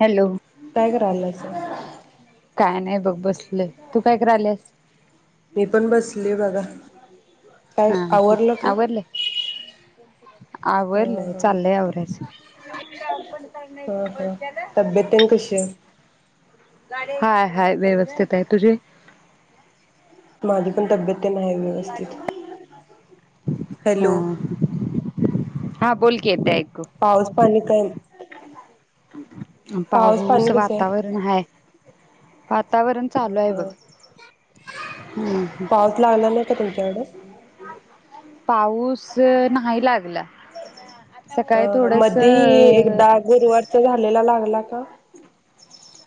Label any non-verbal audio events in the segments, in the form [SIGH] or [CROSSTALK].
Hello काय करायलासा? काय नाही बघ बसले. तू काय करायल्यास मी पण बसले बघा. काय हां हा का? आवरलं? ह आवरलं ह चाललय आवरायचं. ह ह तब्येत तेन कशी आहे? हाय-हाय व्यवस्थित हाय. तुझी? माझी पण तब्येत ते न्हाय व्यवस्थित, हॅलो हां बोलकी येतंय ऐक- पाऊस पाणी काय पाऊस पाणी कसं आहे? वातावरण हाय. पात हम्म हम्म पाऊस लागला नाही का तुमच्याकड पाऊस अ नाही लागला. सकाळी अ थोडस मधी एकदा गुरुवारचा झालेला लागला आ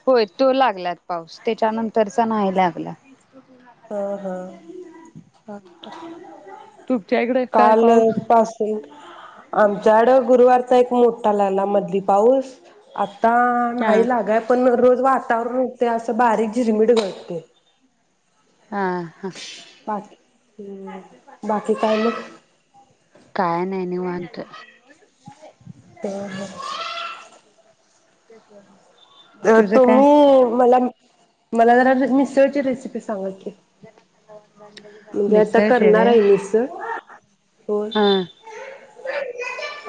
होय तो लागलात पाऊस. त्याच्यानंतरचा नाही लागला. ह ह तुमच्या इकडे काय काल पाऊस पासून आमच्याकडं गुरुवारचा एक मोठा लागला मधी पाऊस आत आता हा नाहीलागाय पण रोज वात वातावरण हुतय असं बारीक झिरमीट गळतय. हा! हा बाकी् बाकी काय मग काय नाही निवांत ह ह तेच जर तुम्ही मला मला जरास [UNINTELLIGIBLE] स्वीट ची रेसिपी सांगा की. म्हणजे आता करणार हाय मिसळ हो हां!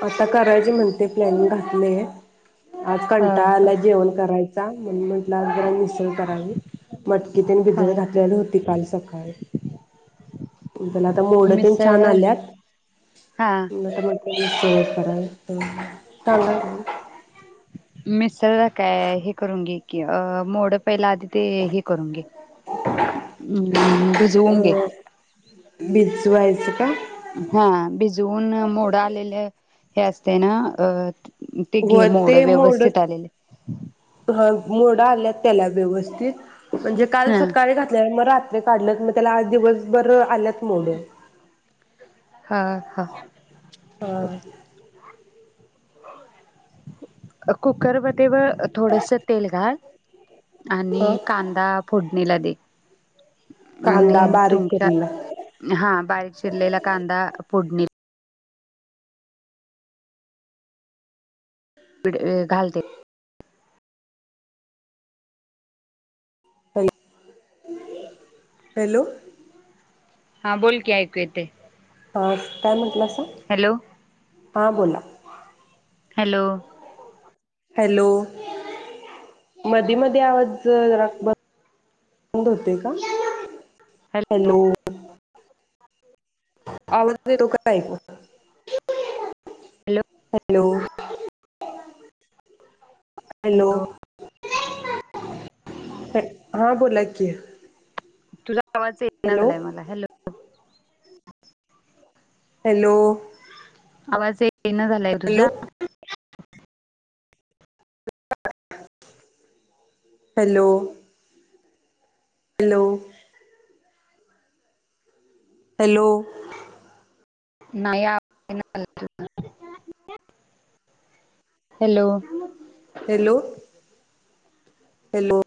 आता करायची म्हणते प्लॅनिंग घातलंय. आज ह कंटाळा ह आलाय जेवण करायचं जा म्हणून म्हंणलं जरा मिसळ करावी. मटकी तेन हा भिजत हा घातलेली होती काल सकाळी. त्यला आता मोडं तेन छान मिसळ आल्यात. हा आत्ता म्हटंलं [UNINTELLIGIBLE] [UNINTELLIGIBLE] मिसळला काय हे करून घे की, अ मोडं पहिला आधी ते हे करून घे. हम् भीजवून घे. अ भिजवायचं का? हा भिजवून मोडं आलेलं हे असतय ना अ ते घे व्हय ते मोड मोडच व्यवस्थित आलेले हा मोड ता आल्यात त्याला व्यवस्थित म्हणजे काल हा सकाळी घातल्या मग रात काढलं मग त्याला आज दिवसभर आल्यात मुले हा हा हा कुकर मध्ये व थोडस तेल घाल आणि ह कांदा फुड नीला दे. आणि कांदा बारीक तुमच्या चिरलेला. हा बारीक चिरलेला कांदा फोडणी अ घालते हॅलो हॅलो हा बोल की ऐकू येेतय. हा काय म्हटलासा. हां बोला हॅलो हॅलो मध मध्ये आवाज बंद होते का हॅलो आवज येतो का ऐकू. हॅलो हॅलो हॅलो हां बोला कि. तुझा आवाज येत नाही झालं मला हॅलो. हॅलो आवाज येत येईना झालाय तुझा हॅलो हॅलो हॅलो हॅलो नाही आ [UNINTELLIGIBLE] हॅलो हॅलो हॅलो